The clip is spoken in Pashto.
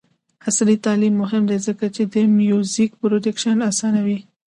عصري تعلیم مهم دی ځکه چې د میوزیک پروډکشن اسانوي.